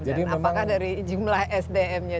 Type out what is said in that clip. dan apakah dari jumlah sdmnya